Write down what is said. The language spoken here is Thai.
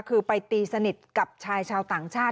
คือไปตีสนิทกับชายชาวต่างชาติ